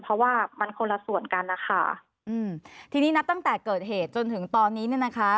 เพราะว่ามันคนละส่วนกันนะคะอืมทีนี้นับตั้งแต่เกิดเหตุจนถึงตอนนี้เนี่ยนะคะ